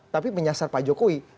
tapi menyasar pak jokowi